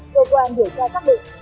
cơ quan điều tra xác định